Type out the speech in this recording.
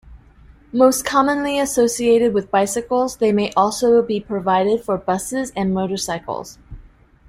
Most commonly associated with bicycles, they may also be provided for buses and motorcycles.